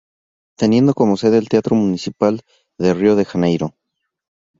Teniendo como sede el Teatro Municipal de Río de Janeiro.